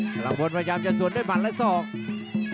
ฉลามพลพยายามจะสวนด้วยหมัดและศอก